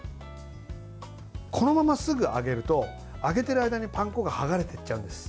このまますぐ揚げると揚げている間にパン粉がはがれてきちゃいます。